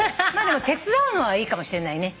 でも手伝うのはいいかもしれないね。